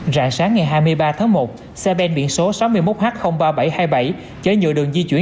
rạng sáng ngày hai mươi ba tháng một xe ben biển số sáu mươi một h ba nghìn bảy trăm hai mươi bảy chở nhựa đường di chuyển